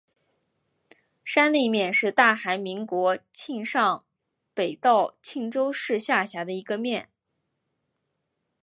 山内面是大韩民国庆尚北道庆州市下辖的一个面。